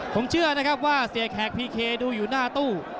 ผมเชื่อนะครับว่าเสียแขกพีเคดูอยู่หน้าตู้